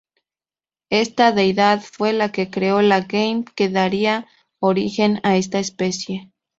Esta deidad fue la que creó la Gema que daría origen a esta especie.